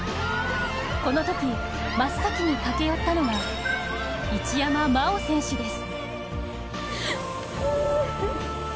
このとき真っ先に駆け寄ったのが一山麻緒選手です。